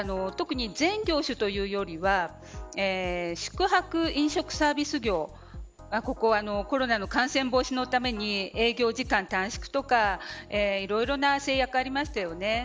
特に全業種というよりは宿泊、飲食サービス業はコロナの感染防止のために営業時間短縮とかいろいろな制約がありましたよね。